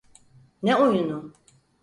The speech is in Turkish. Ne oyunu?